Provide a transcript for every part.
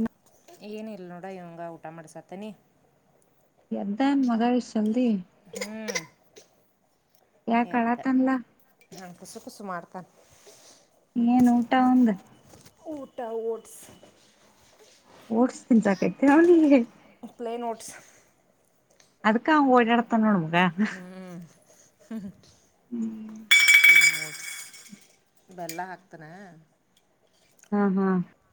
ನ್ [unintelligible] ಏನ ಇಲ್ಲ ನೋಡ ಇವಂಗ ಊಟ ಮಾಡ್ಸತ್ತನಿ ಎ್ದ ಮಗ ವಿ ಚಲ್ದಿ ಹ್ಮ್ ಯಾಕ ಅದ ಅಳಾತನ್ಲಾ [unintelligible] ನ ಕುಸು ಕುಸು ಮಾಡ್ಕ ಏನ್ ಊಟ ಒಂದ್ ಊಟ ಓಟ್ಸ್ ಓಡ್ಸ್ತೀನ್ ಸಾಕೈತಿ ನ್ನಗೆ ಪ್ಲೇನೋಟ್ಸ್ ಅದಕ್ಕ ಅವ ಓಡಡತಣಣಮಗೆ ಹ ಹ ಹ್ಮ್ ಬೆಲ್ಲ ಹಾಕ್ತಾನ ಹ್ಮ ಹಾ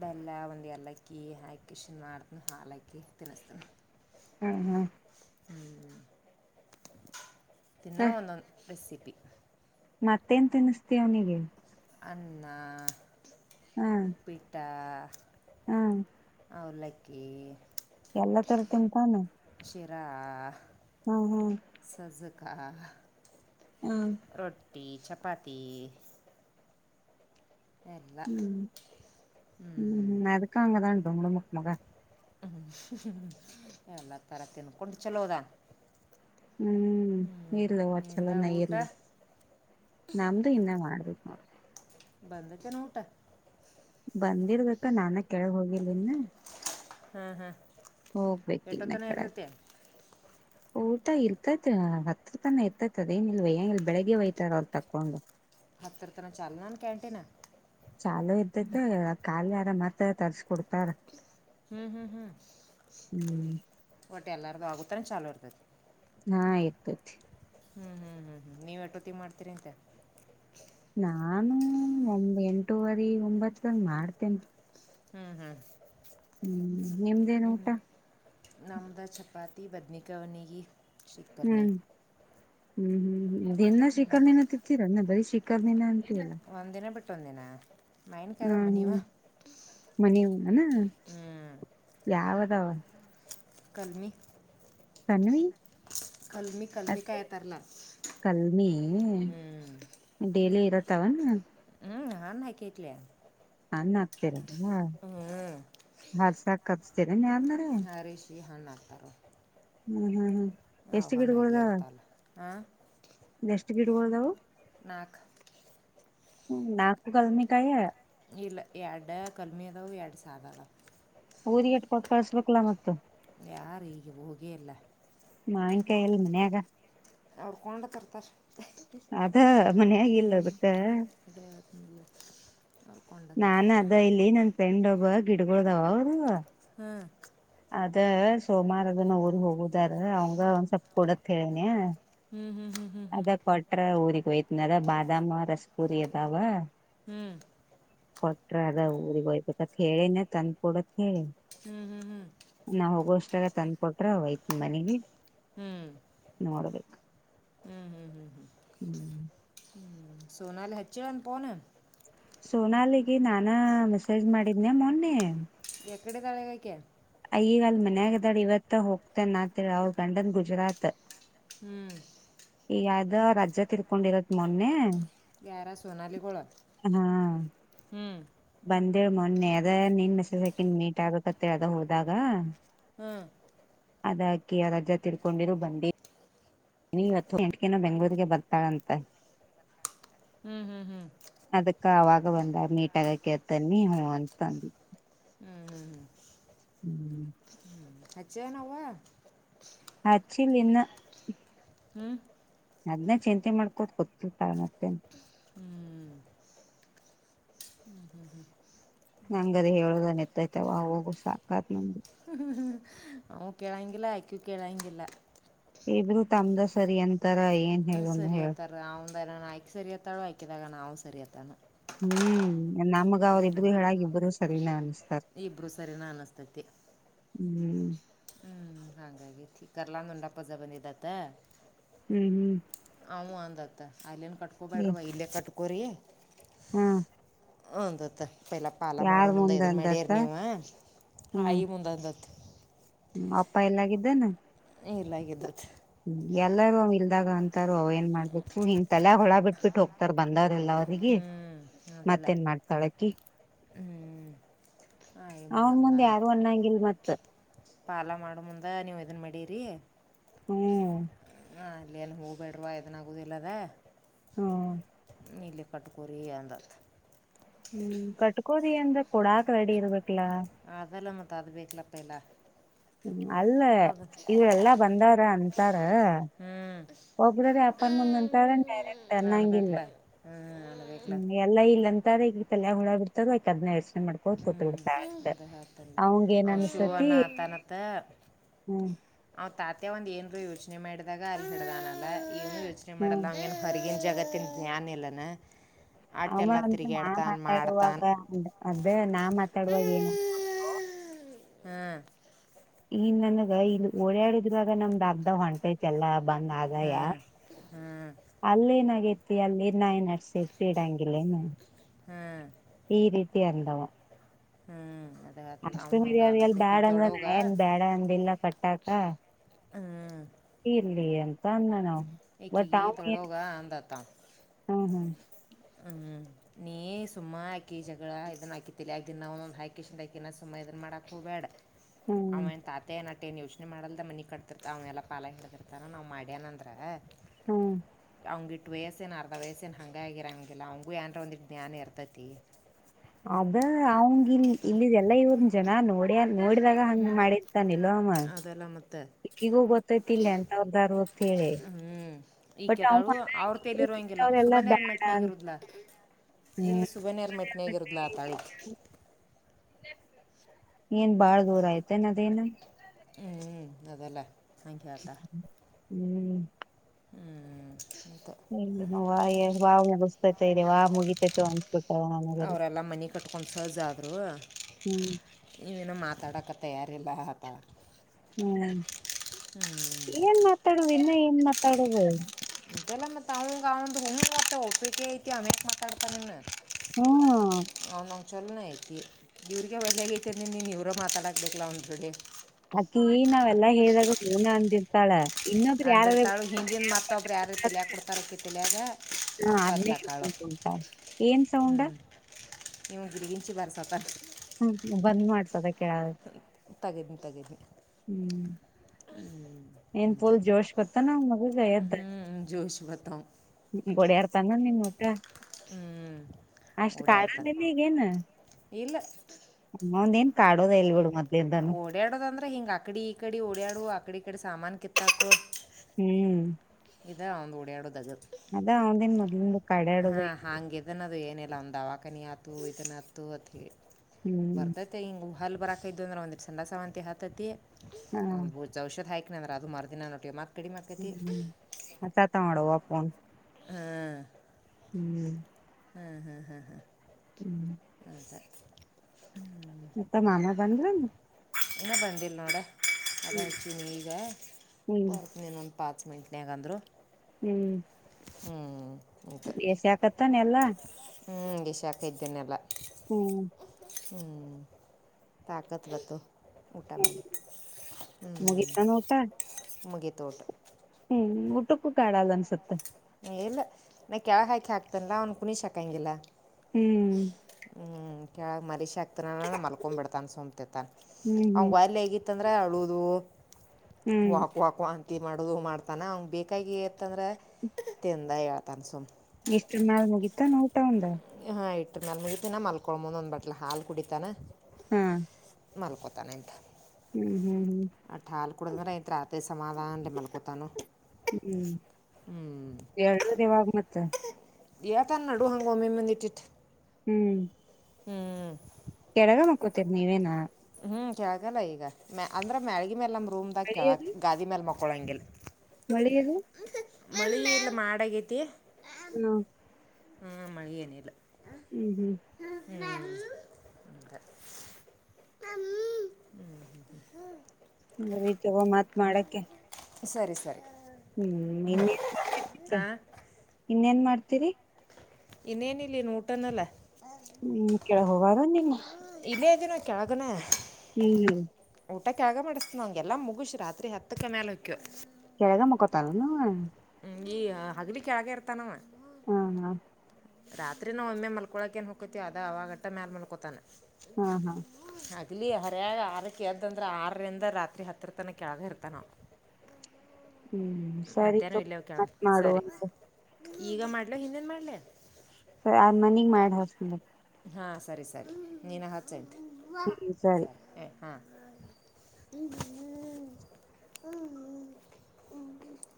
ಬೆಲ್ಲ ಒಂದು ಎಲ್ಲಕ್ಕಿ ಹಾಕಿನ್ ಮಾಡ್ತ ಹಾಲಕ್ಕಿ ತಿನ್ನಿಸತಾನ ಹ್ಮ್ ಹ್ಮ್ ಹ್ಮ್ ತಿನ್ನಾ ಒಂದ ರೆಸಿಪಿ ಮತ್ತೇನ್ ತಿನ್ಿಸ್ತಿೀ ಅವನಿಗೆ ಅನ್ನ ಉಪ್ಪಿಟ ಹ್ಮ ಅವಲಕ್ಕ- ಎಲ್ಲ ತರ ತಿಂತಾನ- ಶಿರಾ- ಹ್ಮ ಹ್ಮ ಸಜಕ ಹ್ಮ ರೊಟ್ಟಿ ಚಪಾತಿ ಎಲ್ಲ ಹ್ಮ್ ಹ್ಞೂ ಹ್ಮ್್ಮ ಅದಕ್ಕ ಅಂಗದಾ ಉಂಟ ಉ ಮುಖ ಮುಗ ಹ್ಮ ಎಲ್ಲ ತಥರ ತಿನ್ಕೊಂಡು ಚಲೋದಾ ಹ್ಮ್ ಇರ್ಲಿ ಇಂದ ಒಟ್ಸಲನ್ನ ಊಟ ಇರ್ಲಿ ನಮ್ದು ಇನ್ನ ಮಾಡಬೇಕ ನೋಡ ಬಂದಕ್ಕೆ ನ ಊಟ ಬಂದಿರ್ಬೇಕ ನಾನ ಕೆಳಗ್ ಹೋಗಿಿಲ್ಲ ಇನ್ ಹ್ಮ್ ಹ್ಮ್ ಹೋಗ್ಬೇಕ ಇನ್ನ ಕೆಳಗ ಎಟ್ಟೊತ್ತನೇರತತಾ [unintelligible] ಊಟ ಇರ್ತೈತ್ ಹತ್ರ ತನ ಇರ್ತೈತ್ ಅದ ಏನ ಇಲ್ವ ಂಗ ಬೆಳಗ್ಗೆ ಒಯ್ತಾರ ಅವ್ರು ತಕೊಂಡು ಹತ್ತ ತರ ಚಲನಾ ಕ್ಯಾಂಟಿನ್ ಚಾಲು ಇರತೈತಿ ಖಾಲಿ ಆರ ಮತ್ತ ತರಿಸಿ ಕೊಡ್ತಾರ. ಹ್ಮ್ ಹ್ಮ್ ಹ್ಮ್ ಹ್ಮ್ ಒಟ್ಟ ಎಲ್ಲಾರ್ದು ಆಗುತನ ಚಾಲೋ ಇರ್ತೈತಿ. ಹಾ ಇರತೈತಿ. ಹ್ಮ್ ಹ್ಮ್ ಹ್ಮ್ ಹ್ಮ್ ನೀವ್ ಎಟ್ಟೋತ್ತಿಗ ಮಾಡ್ತಿರಂತ? ನಾನು ಒಂದ್ ಎಂಟೂುವರಿ ಒಂಬತ್ತಂಗ ಮಾಡ್ತೇನೆ. ಹ್ಮ್ ಹ್ಮ್ ಹ್ಮ್ ನಿಮ್ದೇನ್ ಹ್ಮ. ಊಟ ನಮ್ದ ಚಪಾತಿ ಬದ್ನಿಕಾಯಿವಣಿಗಿ. ಹ್ಮ್ ಹ್ಮ್ ಹ್ಮ್ ಹ್ಮ್ ದಿನ್ನಾ ಶಿಖರಣಿನ ತಿಂತೇರಿ ಏನ್ ಬರಿ ಶೀ ಕಮ್ಮಿನ ಆಂತಿ ಅಲಾ. ಒಂದ ದಿನ ಬಿಟ್ಟ ಒಂದ ದಿನ ಮಾವಿನಕಾಯಿ ಅದಾವ ಮಣಿವ. ಮಣಿವ ಅದಾವ ಏನ್ ಹ್ಞೂ ಯಾವ ಅದಾವ? ಕಲ್ಮಿ. ಕನ್ವಿ? ಕಲ್ಮಿ ಕಲ್ಮಿಕಾಯಿ ತರಲ ಕಲ್ಮಿ. ಹ್ಞೂ ಡೈಲಿ ಇರತಾವ ಏನ್? ಹ್ಞ ಹಣ್ಣ ಹಾಕೇತ್ಲಾ. ಹಣ್ಣ ಹಾಕಿರಿ ಏನ್ ಹಾಕ್ಸಾಕ್ ಕರಸ್ತೇರಿ ಏನ್ ಯಾರ್ನ ಆರ? ಹಾ ರಿಷಿ ಹಣ್ಣ ಹಾಕ್ತಾರ ಅವ್ರ. ಹ್ಮ್ ಹ್ಮ್ ಹ್ಮ್. ಅವ ಎಷ್ಟ್ ಹಣ್ಣ ಆಗೆ ಇರ್ತವಲ್ಲ ಹಾ. ಎಷ್ಟು ಗಿಡಗೋಳ ಅದಾವ? ನಾಕ್. ಹ್ಮ್ ನಾಲ್ಕು ಕಲ್ಮಿ ಕಾಯ? ಇಲ್ಲ ಎರಡು ಕಲ್ಮಿ ಅದಾವ ಎರಡು ಸಾದ ಅದಾವ. ಊದೀಗೆ ಅಷ್ಟ ಕೊಟ್ಟ ಕಳ್ಸಬೇಕಲಾ ಮತ್ತ. ಯಾರು ಈಗ ಹೋಗೆ ಇಲ್ಲ. ಮಾವಿನಕಾಯಿ ಎಲ್ಲಿ ಮನ್ಯಾಗ ಅವ್ರ ಕೊಂಡ ತರ್ತಾರ. ಅದ ಮನ್ಯಾಗ ಇಲ್ಲ ಅದಕ್ಕ [inaudible] ನಾನ್ ತರ್ತಾರಲ್ಲ ಅದ ಇಲ್ಲಿ ನನ್ ಫ್ರೆಂಡ್ ಒಬ್ಬ ಗಿಡಗೊಳ ಅದಾವ ಅವ್ರು. ಹ್ಮ. ಅದ ಸೋಮವಾರದ ನಾ ಊರಿಗೆ ಹೋಗುದಾರ ಅವಂಗ ಒಂದ ಸ್ವಲ್ಪ ಕೊಡ ಅಂತ ಹೇಳಿನಿ. ಹ್ಮ್ ಹ್ಮ್ ಹ್ಮ್ ಹ್ಮ್. [unintelligible] ಊರಿಗೆ ಹೋಯ್ತನ ಅದ ಬದಾಮ ರಸಪುರಿ ಅದಾವ. ಹ್ಮ್. ಕೊಟ್ರ ಅದ ಊರಿಗ ಹೊಯ್ಬೇಕತ್ ಹೇಳೇನ ತಂದ್ ಕೊಡಂತ ಹೇಳಿ. ಹ್ಮ್ ಹ್ಮ್ ಹ್ಮ್. ನಾ ಹೋಗೋ ಅಷ್ಟಾಗ ತಂದ್ ಕೊಟ್ರ ಒಯ್ತೀನಿ ಮನಿಗಿ. ಹ್ಮ್ ಹ್ಮ್ ಹ್ಮ್ ಹ್ಮ್. ಹ್ಮ್ ಹ್ಮ ಸೋನಾಲೀ ಹಚ್ಚಿಲ ಏನ್ ಫೋನ್? ಸೋನಾಲಿಗೆ ನಾನ ಮೆಸೇಜ್ ಮಾಡಿದ್ನೆ ಮೊನ್ನೆ ಎಕಡೆ ಅದಾಳ ಈಗ ಆಕೆ? ಈಗ ಅಲ್ ಮನ್ಯಾಗ ಅದಾಳ್ ಇವತ್ ಹೋಗ್ತೆನ ಅಣ್ಣಾತೀಲ ಅವ್ರ ಗಂಡನ್ ಗುಜರಾತ್. ಹ್ಮ್. ಅದು ಅವರ ಅಜ್ಜ ತಿಳ್ಕೊಂಡಿರೋದು ಮೊನ್ನೆ ಯಾರ ಸೋನಾಲಿ ಗಳು ಹ್ಮ್ ಬಂದೇ ಮೊನ್ನೆ ಅದ ನಿನ್ ಮಸಸಕಿನ್ ಮೀಟ್ ಆಗ್ಬೇಕತ್ತ ಅದ ಹೋದಾಗ ಹ್ಮ್ ಅವರ ಅಜ್ಜ ತೀರಿಕೊಂಡಿದ್ದರು ಬಂದೀನಿ ನೀ ಇವತ್ತು ಎಂಟಕನ ಬೆಂಗ್ಗಳೂರಿಗೆ ಬರ್ತಾಳಂತೆಂತ ಹ್ಮ್ ಹ್ಮ್ ಹ್ಮ್ ಅದಕ್ಕ ಅವಾಗ ಬಂದ ಮೀಟಾಗ ಕೇತನ್ನಿ ಹ ಅಂತಂದು ಹ್ಮ್ ಹ್ಮ್ ಹ್ಮ ಹ್ಮ್ [unintelligible] ಹುಚ್ಚಿ ಏನವ್ವ ಹಚ್ಚಿಲ್ಲನ್ನ ಹ್ಮ್ ಅದ್ನಚಿಂತೆ ಮಾಡ್ಕೊಂಡು ಮತ್ತೆ ಹ್ಮ್ ಹ್ಮ್ ಹ್ಮ್ ಹ್ಮ್ [unintelligible] ನಂಗದ ಹೇಳೋದನ್ ಎತ್ತೈತವ ಹೋಗು ಸಾಕತ್ ನಂಗಗೆ ಹ್ಮ ಹ್ಮ ಅವನು ಕೇಳಂಗಿಲ್ಲ ಅಕ್ಕಿನು ಕೇಳಂಗಿಲ್ಲ ಇಬ್ಬರೂ ತಂದೆ ಸರಿ ಅಂತಾರೆ ಏನು ಸರಿಯತಾರ ಅವ್ನ ನ ಆಯಕೆ ಸರಿಯತಾಳು ಆಯಕಿದಾಗ ನ ಅವಾವು ಸರಿಯತ್ತತಾನ ಹ್ಮ್ ನಮಗೆ ಅವರಿಬ್ಬರೂವರೆಗೆ ಅವರಿಬ್ರೂನು ಸರಿ ಅನಿಸುತ್ತಾರೆ ಇಬ್ರು ಸರಿನಾ ಅನಿಸ್ತೈತಿ ಹ್ಮ್ ಹ್ಮ್ ಹಾಗಾಗಿತಿ ಕರ್ಲಾ ನುಂಡಪ್ಪಜ ಬಂದಿದತ್ತ ಹ್ಮ್ ಹ್ಮ್ ಹ ಅಂದತ್ತ ಅಲ್ಲಿನ ಕಟ್ಕೊಬೇಡ್ರವ ಇಲ್ಲೇ ಕಟ್ಕೊ್ರಿ ಹಾ ಅಂದತ್ ಪ ಎಲ್ಲ ಪಾಲ ಮಾಡೋ ಯಾರ್ ಮುಂದೆ ಮುಂದ ಎದನ್ ಮಾಡ್ಯಾರ ಅಂದತ್ತ ನೀವ ಆಾಯಿ ಮುಂದೆ ಅಂದತ್ ಹ್ಮ ಅಪ್ಪ ಎಲ್ಲಾಗಿದ್ದೇನೆ ಇಲ್ಲಾಗೈತಲ್ಲ ಎಲ್ಲಾರು ಆನೆಲ್ಲ ಅಂತಾರೆ ತು ಎಲ್ಲರೂ ಬಿಟ್ಟು ಹೋಗ್ತಾರೆ ಹ್ಞೂ ಅದಲ್ಲ ಮತ್ತೇನ್ ಮಾಡ್ತಾಳಕಿ ಹ್ಞೂ ಆಯಿ ಮುಂದೆ ಅವನ್ ಮುಂದ್ ಯಾರು ಅಂದಾನತ್ತ ಒಣನ್ನಂಗಿಲ್ ಮತ್ ಪಾಲ ಮಾಡ ಮುಂದ ನೀವ್ ಇದದನ್ ಮಾಡಿರಿ ಹ್ಮ್ ಹಾ ಇಲ್ಲೇನು ಹೋಗಬೇಡವಾ ಇದನಾಗುದಿಲ್ಲದ ಹ್ಮ್ ಇಲ್ಲಿ ಲೆಕ್ಕ ಕಟ್ಕೊಂಡ್ರೆ ಅಂತ ಅಂದ ಹ್ಮ್ ಕಟ್ಕೋದಿ ಅಂದ್ರೆ ಕೊಡಾಕ್ ರೆಡಿ ಇರ್ಬೇಕಲಾ ಅದೆಲ್ಲ ಮ ಅದು ಬೇಕಲಪ್ಪ ಇಲ್ಲ ಹ್ಮ ಅಲ್ಲ ಅದು ಇವ ಎಲ್ಲಾ ಬಂದಾರ ಅಂತಾರ ಹ್ಞೂ ಒಬ್ರ ಯ್ಯಾಪಾರ ಮುಂದಂತ್ರ ಡೈರೆಕ್ಟ್ ಅನ್ನಂಗಿಲ್ಲ ಅನ್ಬೇಕಲ್ಲ ಹ್ಞೂ ಅನ್ಬೇಕಲ್ಲ ಎಲ್ಲ ಇಲ್ಲ ಅಂತಾರೆೆ ಈಗ ಪಲ್ಯ ಹುಳ ಬಿಡ್ತದ ಆಯ್ ಅದ್ನ ಯೋಚನೆ ಮಾಡತದೆ ಕತ್ ಕೂತ್ ಹ್ಞೂ ಬಿಡ್ತಾತ ಅವಂಗ ಏನ್ ಅನ್ಸತಿ ತನತ ಹ್ಮ್ ಅವ್ ತಾತ ಒಂದ್ ಏನ್ರು ಯೋಚನೆ ಮಾಡಿದಾಗ ಅಲ್ಲಿ ಹೇಳಡ್ದಾನಲ್ಲ ಏನು ಯೋಚನೆ ಹ್ಮ್ ಮಾಡಲ್ಲ ಅವ ಹೊರಗಿನ ಜಗತ್ತು ಜ್ಞಾನಿನೇ ಅವಮ್ಮ ಅ ನಾ ಮಾತಾಡುವಾಗ ಮಾಡ್ತಾನೆ ಅದ ನಾ ಮಾತಾಡುವಾಗ ಏನ ಹ್ಮ್ ಈನ್ ನನಗ ಇಲ್ಲಿ ಓಡಾಡಿದ್ವಾಗ ನಮ್ದು ಅದ್ದ ಹೊಂಟೆ ಚ ಎಲ್ಲಾ ಬಂದ್ ಆ ಹ್ಮ್ ಹ್ಮ್ ಅಲ್ಲ ಏನಾಗೈತಿ ಅಲ್ಲಿ ನಾಯಿ ನಡ್ಸೇತಿ ಬೀಡಂಗಿಲ್ಲ ನ ಅಲ್ಲೇನ ಎತ್ತಿ ರಂಗಿಲ್ ಏನು ಹ್ಮ್ ಈ ರೀತಿ ಇಂದಾವ ಹ್ಮ್ ಮೀರಿ ಹಂಗೆ ಅವ್ರ ಅನ್ನೋದು ಎಲ್ ಟಿಕ್ಕಿ ಬ್ಯಾಡ ಅಂದ್ರ ನಾ ದೊಡ್ಡವಗ್ಗ ಏನ್ ಬ್ಯಾಡ ಅಂದಿಲ್ಲ ಹ್ಮ್ ಇಲ್ಲಿ ಎಂತ ಅನ್ನ ನಾವು ಈಕೆಗೆ ದೊಡ್ಡ ಅವ್ವ ಹ್ಮ್ ಹ್ಮ್ ಅಂದೇ ನೀ ಸುಮಾ ಹಾಕಿ ಜಗಳ ಇದನ್ನ ಹಾಕಿತಿ ಆಕಿನ ನ ಒದ ಹಾಕಿ ಹಾಕಿ ಸುಮ್ಮ ಇದ ಮಾಡ ಹೂಬೇಡ ಅವ ಹ್ಮ್ ತಾತ ಮತ್ತೇ ನ ಏನ್ ಯೋಚನೆ ಮಾಡಲ್ದ ಮನಿ ಕಟ್ತಿರ್ತ ಅವನೆಲ್ಲ ಪಾಲಾ ಹ ಹೇಳದಿರ್ತಾರ ನವು ಮಾಡ್ಯಏನಂದೆ ಹ್ಮ್ ಅವಂಗಿು ವಯಸ್ಸೇನು ಅರ್ಧ ವಯಸ್ಸೇನು ಹಾಗಂಗಾಗಿರೋಂಗಿಲ್ಲ ಅವಂಗಗೂಏಾರ ಒಂದುಿಟ್ಟ ಜ್ಞಾನ ಇರ್ತೈತಿ ಅದ ಅವಂಗ ಇಲ್ ಇಲ್ಲಿ ಎಲ್ಲಾ ಇವನ್ ಜನ ನೋಡ್ಯ ನೋಡಿದಾಗ ಹಂಗ್ ಮಾಡಿದ ತಾನಿಲ್ಲ ಅದೆಲ್ಲ ಮತ್ತೆ ಅಮ್ಮಕ್ಕಿಗೋ ಗೊತ್ತೈತಿಲ್ಲ ಅಂತ ಅವಗಾರು ಗತ್ ಹೇಳಿ [unintelligible] ಹ್ಮ್ ಈ ಬಟ್ ಕೆತಾಳು ಅವ ಅವ್ರ ತೇಲಿರ ಹಂಗಿಲ್ಲ ಇಂಥವ್ರೆಲ್ಲಾ ಸುಬನ್ಯಾರ ಬ್ಯಾಡ ಅಂತ ಮೆಟ್ನಗರುದಲ ಇಲ್ಲ ಸುಬನೇರ್ ಮೆಟ್ನಿಯಾಗಿರುದ್ಲ ಆ ತಾಳಿ ಏನ್ ಬಾಳ ದೂರ ಇದೆ ಅದೇನು ಹ್ಮ್ ಅದಲ್ಲೇ ಹಂಗೆೇತಾ ಹ್ಮ್ ಹ್ಮ್ ಹಕ ಇ ವಾ್ ಮುಗಿಸಸ್ತೈತೆ ಇದೆ ವಾ ಮುಗಿತೈತೆ ಅನಸಬತ ನನಲ್ಲಿ ಕಟ್ಕೊಂಡ ಸಹ ಜಾದ್ರು [unintelligible] ಹ್ಮ್ ಈ ನೀನು ಮಾತಾಡಕ್ಕೆ ತಯಾರಿಲ್ಲ ಅಂತ ಹ್ಮ್ ಏನ್ ಮಾತಾಡುದು ಇನ್ನ ಏನ್ ಮಾತಾಡುದು ಇದೆಲ್ಲ ಮತ್ತೆ ಅವಿಗೆ ಅವಂದು ಹಣಿತ್ತೆ ಪಿಿಕ ಐತಿ ಅನಕ್ ಮಾತಾಡ್ತಾನ ಹ್ಮ ಅವ್ನು ನವು ಚಲನೇ ಹೇಳ್ತಿೀ ಇವ್ರಿಗೆ ಬದಲಾಗೇೈತಿ ನೀ ಇವರೋ ಮಾತಾಡಾಕ್ಬೇಕಲ್ಲ ಅವ್ನು ಜೋಡಿ ಅಖಿ ನಾವೆಲ್ಲ ಹೇಳ್ದಾಗ ಅವ್ನೆ ಅಂದಿದ್ದಳು ತ್ತಳ ಇನ್ನೊಬ್ರು ಯಾರಟ್ಟ ಅಂದಿರ್ತಾಳು ಹಿಂದಿನ ಮತ್ತೊಬ್ರು ಯಾರು ತಲೆಯಾಗ ಕೊಡ್ತಾರಕ್ಕೆ ತಲೆಯಾಗ ಹಾ ಅದನ್ನೇ ಬದ್ಲಾಕಾಳು ಹಳ್ಕೊಂಡ್ ಕುಂಟ ಏನ್ ಸೌಂಡ್ ನೀವು ಗಿಡಿಗಿಂಚಿ ಬರ್ಸತ್ತ ಹ್ಮ ಬಂದ್ ಮಾಡ್ಸೋ ಅದ ಕೇಳ ತಗನಿ ತಗಿ ಹ್ಮ್ ಹ್ಮ್ [unintelligible] ಏನ್ ಫುಲ್ ಜೋಶ್ ಗೊತ್ತ ನ ಹ್ಮ್ ಜೋಷ್ ಬತ್ತ ಗ ಬಡಿಗೇರ್ ತಾನು ನಿನ್ ಮಖ ಹ್ಞೂ ಅಷ್ಟು ಓಡ್ಯಾಡ್ತಾನೆ ಕಾಲದಿಲ್ಲ ಈಗೇನ್ ಇಲ್ಲ ನಿನ್ ಕಾಡದೇ ಇಲ್ಲ ಬಿಡು ಮೊದಲಿಂದನು ಓಡಾಡೋದ ಅಂದ್ರೆ ಹಿಂಗ್ ಅಕಡಿ ಈ ಕಡೆ ಓಡಾಡು ಆಕಡಿ ಈ ಕಡೆ ಸಾಮಾನನ್ ಕಿತ್ತಾಕು ಹ್ಮ್ ಇದ ಒಂದು ಡಾಡೋದು ಅದು ಅದ ಅವದನ್ ಮೊದ್ನ್ ಬ ಹಾ ಹಂಗಗೆ ಇದನದು ಏನಿಲ್ಲ ಒಂದ ದವಾಖಾನಿ ಆತು ಇದನ್ ಆತು ಅತ್ ಹ್ಮ್ ಬರ್ತೈತಿ ಹಿಂಗ ಹಾ ಬರಾಕೈದು ಅಂದ್ರೆ ಒಂದಿ ಸಣ ಸಾವಂತಿ ಹಾತೈತಿ ಹಾ ಒಂದ್ ಜಔಷಧ ಹಾಕಿನನ ಅ್ರ ಅದುರ್ದಿನ ಮತ್ತೆ ಕಡಿಮೆ ಆಕೈತಿ ಹ್ಮ ಹತ್ತಾತ ಮಾಡಡವಾಪ್ಪನ್ ಹ್ಮ್ ಹ್ಮ್ ಹ್ಮ್ ಹ್ಮ್ ಹ್ಮ್ ಹ್ಮ ಹ್ಮ್ ಹ್ಮ ಸರಿ ಹ್ಮ್ ಮತ್ತ ಮಾಮಾ ಬಂದ್ರನು ಇನ್ನ ಬಂದಿಲ್ ನೋಡ ಅದ ಹ್ಮ್ ಹಚ್ಚಿನಿ ಈಗ ಹ್ಮ್ ಬರ್ತ್ನೇನಂತ ಪಾ ಮಿಟ್ನ್ಯಾಗಂದ್ರರು ಹ್ಮ್ ಹ್ಮ್ ಎಸ ಆಕತ್ತಾನೆ ಎಲ್ಲಾ ಹ್ಞ ಇ ಹಾಕ ಇದ್ದೇನೆೆಲ್ಲ ಹ್ಮ್ ಹ್ಮ್ ತಾಕತ್ವ ಊಟ ಮಾಡಿದ ಮುಗಿತಾನ ಹ್ಞಮುಗೀತು ತೋಟ ಉಟುಕು ಕಡಲ ಅನ್ಸುತ್ತೆ ಇಲ್ಲ ನಾ ಕೆಳ ಹಾಕಿ ಹಾಕ್ತನ ಅವ್ನು ಕುಣ್ಕಂಗಿಲ್ಲ ಹ್ಮ್ ಹ್ಮ್ ಕೆಳಗ್ ಮರಿಷೆ ಆಗ್ತನ ಮಲ್ಕೊ್ ಬಿಡ್ತಾನ ಸೊಪ್ತತ್ತ ಹ್ಮ್ ಅವಂಗ ಹ್ಮ್ ವಾಯಲ್ ಹೇಗಿತ್ತ ಅಂದ್ರೆ ಅಳದು ವಾ ಹ್ಮ್ ವಾಕ್ವಾಂತಿ ಮಾಡೋದು ಮಾಡ್ತಾನೆ ಅವಗೆ ಬೇಕಾಗಿ ತ್ತಂದ್ರೆ ತಿಂದ ಹೇಳ್ತಾನ ಸುಮ್ಮನೆ ಎಷ್ಟು ಬಿದ್ದ ಊಟ ಅವಂದು ಹಾ ಇಟ್ಟ ಮೇಲೆ ಮುಗಿತಿನ ಮಲ್ಕೊಳ್ಂಬಂದ ಒಂದು ಬಟ್ಲೆ ಹಾಲು ಕುಡಿತಾನ ಹಾ ಮಾಲ್ಕೊತಾನೆಂಂತ ಹ್ಮ್ ಹ್ಮ್ ಆ ಹಾಲು ಕುೂಡದರ ಯ ರತ್ ಸಮಾಧಾನ ಅ ರೇ ಮಲ್ಕೋತಾನ ಹ್ಮ್ ಎರ ಇವಾಗ ಮತ್ತೆ ಯಾವತ ನಡು ಹಂ ಒಮ್ಮೆ ಮುಂದ ಇಟ್ಟಿತ್ತು ಹ್ಮ್ ಹ್ಮ್ ಕೆಡಗ ಮಕ್ಕೋತಿರಿ ನೀವೇನ ಹ್ಮ್ ಕೆಳಕಲ್ಲ ಈಗ ಮ ಅಂದ್ರ ಮ್ಯಾಳ್ಗ ಮೇಲ್ ನಮ್ಮ ರೂಮ್ದಾಗ ಕೆಳಕ್ ಗಾದಿ ಮ್ಯಾಲ ಮಕ್ಕೊಳಂಗಿಲ್ ಮಳೆಯದು ಮಳಿ ಎಲ್ಲ ಮಾಡಗೇತಿ ಹ್ಮ ಹಾ ಮಳೆಯನ್ನು ಇಲ್ಲ ಹ್ಮ್ ಹ್ಮ್ ಹ ಹ್ಮ ಸರಿತಗ ಮಾತ್ ಮಾಡಕ್ಕೆ ಸರಿ ಸರಿ ಆ ಇನ್ನೇನ್ ಮಾಡುತ್ತೀರಿ ಇನ್ನೇನಿಲ್ಲನ್ ಊಟನಲ್ಲ ಹ್ಮ ಕೆಳ ಹೋಗಾರ ನೀನ್ ಇಲ್ಲ ಇದು ನಾ ಕೆಳಗಣ ಹ್ಮ್ ಊಟ ತಳಗೆ ಮಾಡುತ್ತೇವೆ ಎಲ್ಲ ಮುಗಿಸಿ ರಾತ್ರಿ ಹತ್ತಕ್ಕೆ ಮೇಲೆ ಹೋಗ್ತಿವಿ ಕೆಳಗೆ ಮುಖಾಂತರ ನೀನು ಹ ಈ ಹಗ್ಲಿಕ್ಕೆ ಹಗ ಇರ್ತಾನವ ಹಾಂ ಹಾಂ ರಾತ್ರಿ ನಾವು ಒಮ್ಮೆ ಮಲ್ಕೊಳಕ ಏನ್ ಹೊಕತಿವಿ ಅದ ಅವಾಗಟ್ಟ ಮ್ಯಾಲ ಮಲ್ಕೋತಾನೆ ಹಾ ಹಾ ಅದಲ್ಲಿ ಹರ್ಯಾಗ ಆರ ಕೇಳ್ದಂದ್ರೆ ಆರರಿಂದ ರಾತ್ರಿ ಹತ್ತರ ತನಕ್ಕೆಳಗ ಇರ್ತ ನಾವು ಹ್ಮ್ ಸರಿ ಮಧ್ಯಾಹ್ನ ತಗೋ ಇಲ್ಲೇ ಕೆ ಮತ್ ಮಾಡು ಸರಿ ಅಂತ ಈಗ ಮಾಡ್ಲ ಹಿಂದೇನ್ ಮಾಡ್ಲ ಸರಿ ಆದ್ ಮನಗ್ ಮಾಡಿ ಹಸ ಹಾಂ ಸರಿ ಸರಿ ನೀನು ಹಚ್ಚೆಂಟು ಸರಿ ಎ ಹಾಂ ಹ್ಮ್ ಹ್ಮ್ ಹ್ಮ್